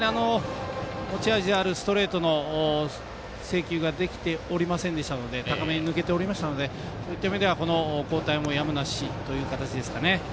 持ち味あるストレートの制球ができておりませんでしたので高めに抜けておりましたのでそういう意味ではこの交代もやむなしという形ですかね。